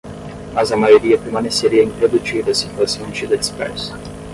Mas a maioria permaneceria improdutiva se fosse mantida dispersa.